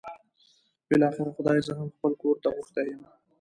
بالاخره خدای زه هم خپل کور ته غوښتی یم.